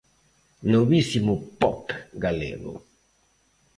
Novísimo pop galego.